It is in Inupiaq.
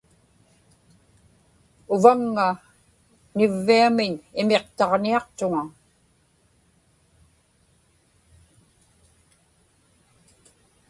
uvaŋŋa nivviamiñ imiqtaġniaqtuŋa